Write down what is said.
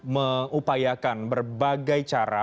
mengupayakan berbagai cara